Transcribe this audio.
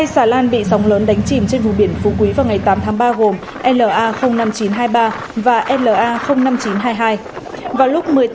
hai xà lan bị sóng lớn đánh chìm trên vùng biển phú quý vào ngày tám tháng ba gồm la năm nghìn chín trăm hai mươi ba và la năm nghìn chín trăm hai mươi hai